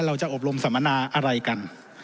เราจะอบรมสัมมนาอะไรกัน